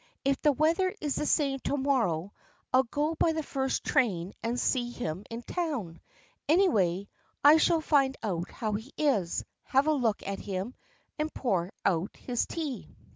"If the weather is the same to morrow I'll go by the first train and see him in town! Anyway, I shall find out how he is, have a look at him, and pour out his tea."